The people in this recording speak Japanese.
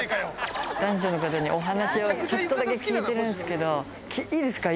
男女の方にお話をちょっとだけ聞いてるんすけどいいですか？